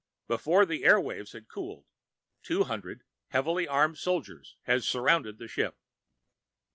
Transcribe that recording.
Before the air waves had cooled, two hundred heavily armed soldiers had surrounded the ship.